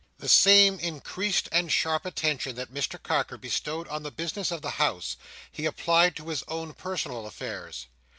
The same increased and sharp attention that Mr Carker bestowed on the business of the House, he applied to his own personal affairs.